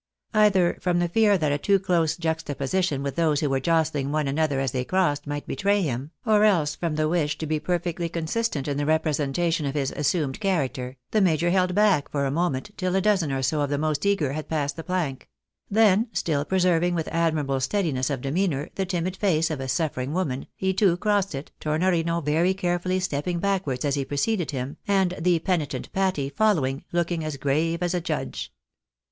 Either from the fear that a too close juxtaposition with those who were josthng one another as they crossed, might betray him, or else from the wish to be perfectly consistent in the representation of his assumed character, the major held back for a moment, tiU a dozen or so of the most eager had passed the plank ; then, still preserving with admirable steadiness of demeanour, the timid face of a suffering woman, he too crossed it, Tornorino very carefully stepping back wards as he preceded him, and the penitent Patty following, looking as grave as a judge.